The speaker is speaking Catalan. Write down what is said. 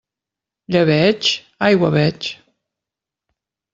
Llebeig?, aigua veig.